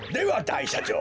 いしゃちょう